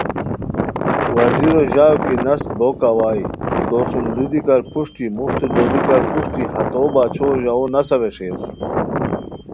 وزیرو ژاؤ کی نست بوک اوائے تو سوم لو دیکار پروشٹی، موختو لوڑیکار پروشٹی ہتو باچھو ژاوؤ نسہ ویݰیر